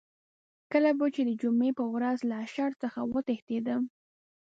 کله به چې د جمعې په ورځ له اشر څخه وتښتېدم.